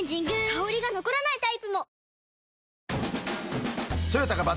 香りが残らないタイプも！